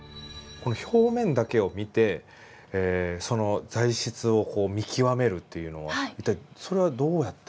この表面だけを見てその材質を見極めるというのは一体それはどうやって？